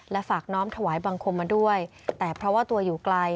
และฝากน้อมถวายบังคมมาด้วยแต่เพราะว่าตัวอยู่ไกล